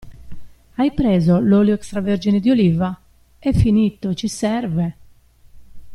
Hai preso l'olio extravergine di oliva? E' finito, ci serve!